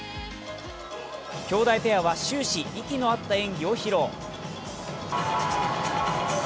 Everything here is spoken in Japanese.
姉弟ペアは終始、息の合った演技を披露。